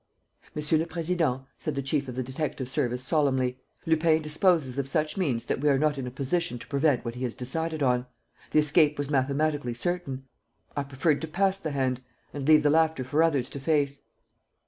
"Monsieur le Président," said the chief of the detective service, solemnly, "Lupin disposes of such means that we are not in a position to prevent what he has decided on. The escape was mathematically certain. I preferred to pass the hand ... and leave the laughter for others to face."